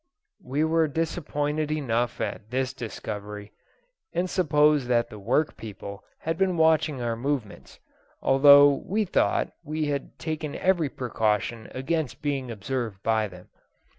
We were disappointed enough at this discovery, and supposed that the work people had been watching our movements, although we thought we had taken every precaution against being observed by them.